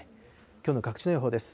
きょうの各地の予報です。